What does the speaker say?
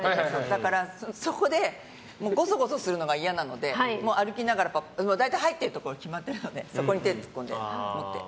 だから、そこでゴソゴソするのが嫌なので歩きながら大体入っているところは決まっているのでそこに手を突っ込んで。